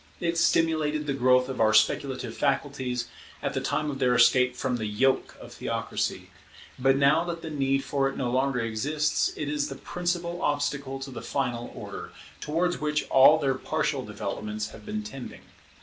It stimulated the growth of our speculative faculties at the time of their escape from the yoke of theocracy: but now that the need for it no longer exists, it is the principal obstacle to the final order, towards which all their partial developments have been tending.